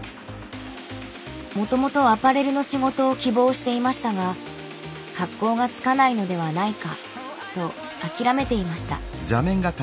もともとアパレルの仕事を希望していましたが格好がつかないのではないかと諦めていました。